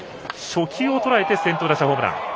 初球をとらえて先頭打者ホームラン！